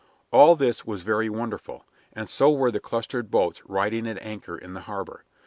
All this was very wonderful, and so were the clustered boats riding at anchor in the harbor.